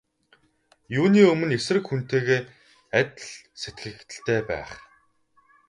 Юуны өмнө эсрэг хүнтэйгээ адил сэтгэгдэлтэй байх.